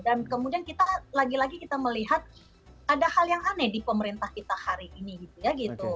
dan kemudian kita lagi lagi kita melihat ada hal yang aneh di pemerintah kita hari ini gitu ya gitu